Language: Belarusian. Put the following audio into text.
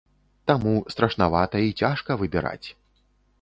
Таму страшнавата і цяжка выбіраць.